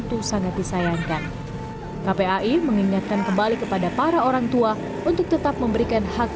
itu sangat disayangkan kpai mengingatkan kembali kepada para orang tua untuk tetap memberikan hak